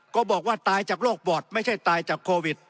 ก็บอกว่าตายจากโรคปอดไม่ใช่ตายจากโควิด